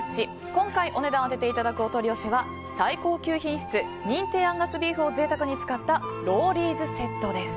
今回、お値段を当てていただくお取り寄せは最高級品質認定アンガスビーフを贅沢に使ったロウリーズセットです。